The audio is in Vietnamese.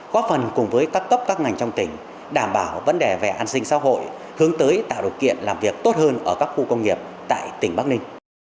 góp phần cùng với các cấp các ngành trong tỉnh đảm bảo vấn đề về an sinh xã hội hướng tới tạo điều kiện làm việc tốt hơn ở các khu công nghiệp tại tỉnh bắc ninh